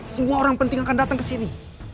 semua orang penting akan datang kesini